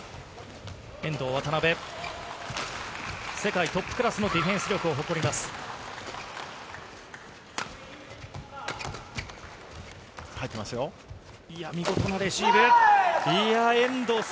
遠藤・渡辺、世界トップクラスのディフェンス力を誇ります。